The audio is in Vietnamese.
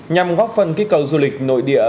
nhằm góp phần kích cầu du lịch nội địa